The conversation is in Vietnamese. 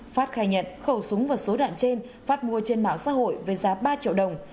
phát khai nhận khẩu súng và số đạn trên phát mua trên mạng xã hội với giá ba triệu đồng